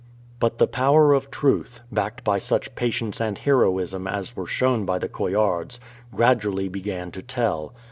But the power of truth, backed by such patience and heroism as were shown by the Coillards, gradually began to tell.